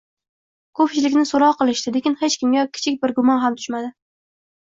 Ko`pchilikni so`roq qilishdi, lekin hech kimga kichik bir gumon ham tushmadi